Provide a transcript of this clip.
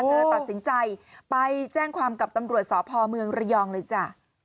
เธอตัดสินใจไปแจ้งความกับตำรวจสพเมืองระยองเลยจ้ะ